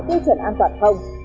tiêu chuẩn an toàn không